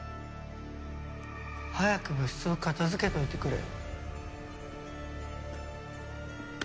早く部室を片づけておいてくれよ。